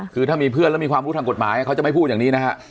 คือถ้ามีเพื่อนแล้วมีความรู้ทางกฎหมายเขาจะไม่พูดอย่างนี้นะฮะ